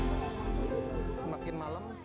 semakin malam semakin berharga